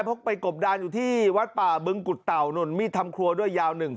เพราะไปกบดานอยู่ที่วัดป่าบึงกุฎเต่านู่นมีดทำครัวด้วยยาวหนึ่ง